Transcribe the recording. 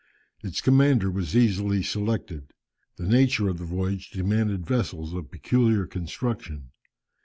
Its commander was easily selected. The nature of the voyage demanded vessels of peculiar construction.